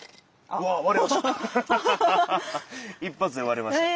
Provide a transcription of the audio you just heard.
一発で割れました。